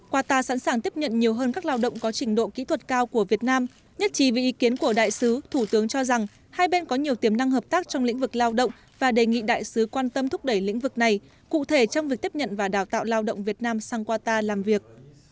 qatar sẵn sàng tiếp nhận nhiều hơn các lao động có trình độ kỹ thuật cao của việt nam nhất trí với ý kiến của đại sứ thủ tướng cho rằng hai bên có nhiều tiềm năng hợp tác trong lĩnh vực lao động và đề nghị đại sứ quan tâm thúc đẩy lĩnh vực này cụ thể trong việc tiếp nhận và đào tạo lao động việt nam sang qatar làm việc